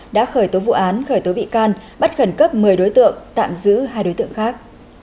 đã khởi tố vụ án khởi tố bị can bắt khẩn cấp một mươi đối tượng tạm giữ hai đối tượng khác